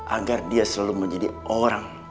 agar dia selalu menjadi orang